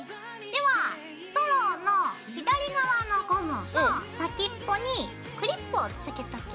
ではストローの左側のゴムの先っぽにクリップをつけときます。